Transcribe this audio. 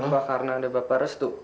apa karena ada bapak restu